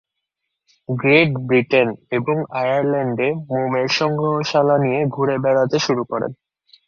Great Britain এবং আয়ারল্যান্ডে মোমের সংগ্রহশালা নিয়ে ঘুরে বেড়াতে শুরু করেন।